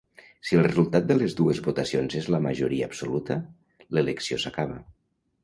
Si el resultat de les dues votacions és la majoria absoluta, l'elecció s'acaba.